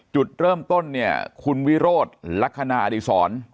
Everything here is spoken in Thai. จุดเริ่มต้นเนี่ยคุณวิโรธลักษณะอดีศร